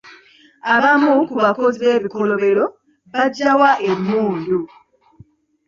Abamu ku bakozi b'ebikolobero baggya wa emmundu?